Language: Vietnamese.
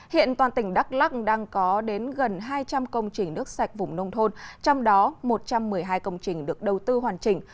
hiện toàn tỉnh đắk lắc đang có đến gần hai trăm linh công trình nước sạch vùng nông thôn trong đó một trăm một mươi hai công trình được đầu tư hoàn chỉnh